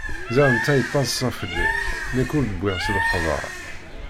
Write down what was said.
Ziɣ netta yattaḍṣa fell-i, nekk ur d-wwiɣ s lexbar.